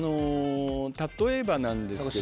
例えばですが。